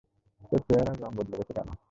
তোর চেহার রঙ বদলে গেলো কেন?